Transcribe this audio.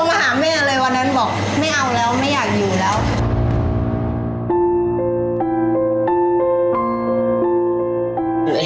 วันนั้นบอกไม่เอาแล้วไม่อยากอยู่แล้ว